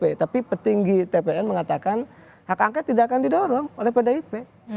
tapi petinggi tpn mengatakan hak angket tidak akan didorong oleh pdip